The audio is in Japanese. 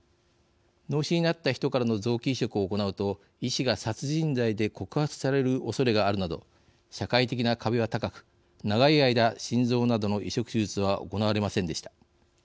脳死になった人からの臓器移植を行うと医師が殺人罪で告発されるおそれがあるなど社会的な壁は高く長い間、心臓などの移植手術は行われませんでした。